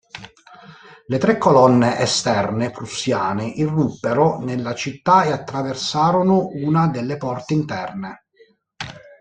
Le tre colonne esterne prussiane irruppero nella città e attraversarono una delle porte interne.